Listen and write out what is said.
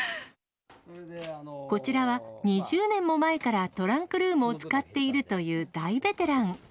こちらは２０年も前からトランクルームを使っているという大ベテラン。